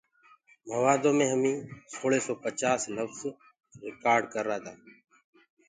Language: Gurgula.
موآدو مي همنٚ سوݪي سو پچآس لڦج رڪآرڊ ڪررآ۔